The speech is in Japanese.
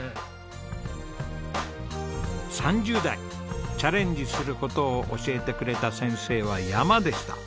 ３０代チャレンジする事を教えてくれた先生は山でした。